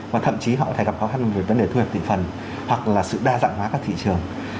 và thậm chí họ có thể gặp khó khăn về vấn đề thu hoạch thị phần hoặc là sự đa dạng hóa các thị trường